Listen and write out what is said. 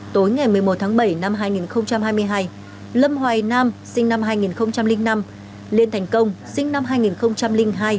tối ngày một mươi một tháng bảy năm hai nghìn hai mươi hai lâm hoài nam sinh năm hai nghìn năm liên thành công sinh năm hai nghìn hai